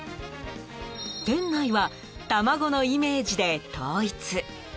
店内は、卵のイメージで統一。